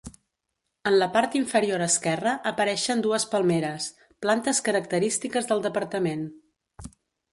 En la part inferior esquerra apareixen dues palmeres, plantes característiques del departament.